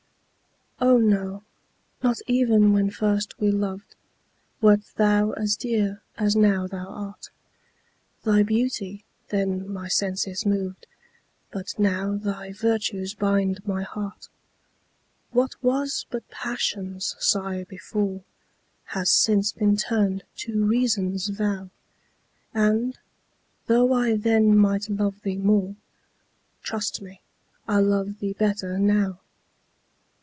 Oh, no not even when first we loved, Wert thou as dear as now thou art; Thy beauty then my senses moved, But now thy virtues bind my heart. What was but Passion's sigh before, Has since been turned to Reason's vow; And, though I then might love thee more, Trust me, I love thee better now.